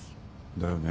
だよね。